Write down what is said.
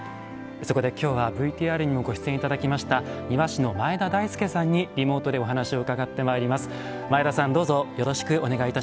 そこできょうはＶＴＲにもご出演いただきました庭師の前田大介さんにリモートでお話を伺ってまいります。